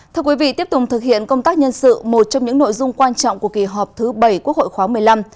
thưa quý vị tiếp tục thực hiện công tác nhân sự một trong những nội dung quan trọng của kỳ họp thứ bảy quốc hội khóa một mươi năm